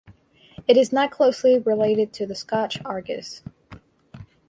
It is not closely related to the Scotch argus.